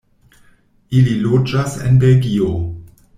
Ili loĝas en Belgio.